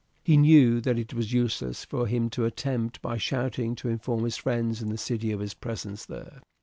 He knew that it was useless for him to attempt by shouting to inform his friends in the city of his presence there.